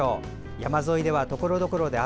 山沿いでは、ところどころで雨。